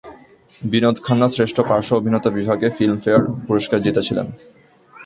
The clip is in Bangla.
বিনোদ খান্না শ্রেষ্ঠ পার্শ্ব অভিনেতা বিভাগে ফিল্মফেয়ার পুরস্কার জিতেছিলেন।